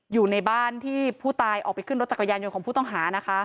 อยู่ในบ้านที่ผู้ตายออกไปขึ้นรถจักรยานยนต์ของผู้ต้องหานะคะ